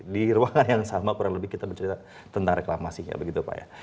di ruangan yang sama kurang lebih kita bercerita tentang reklamasinya begitu pak ya